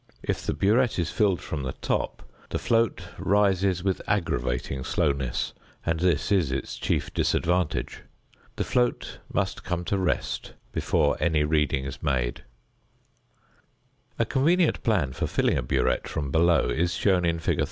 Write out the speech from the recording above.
If the burette is filled from the top, the float rises with aggravating slowness, and this is its chief disadvantage. The float must come to rest before any reading is made. [Illustration: FIG. 30.] A convenient plan for filling a burette from below is shown in fig.